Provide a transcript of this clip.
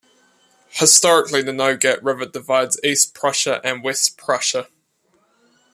Historically the Nogat River divides East Prussia and West Prussia.